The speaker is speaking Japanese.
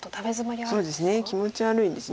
そうですね気持ち悪いんです。